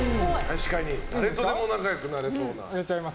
誰とでも仲良くなりそうな。